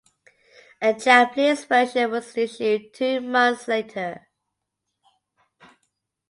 A Japanese version was issued two months later.